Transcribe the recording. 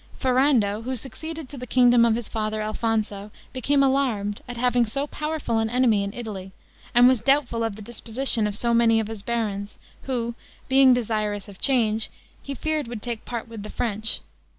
Ferrando, who succeeded to the kingdom of his father Alfonso, became alarmed at having so powerful an enemy in Italy, and was doubtful of the disposition of many of his barons, who being desirous of change, he feared would take part with the French.